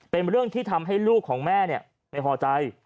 เป็นเรื่องที่ทำให้ลูกของแม่ไม่พอใจ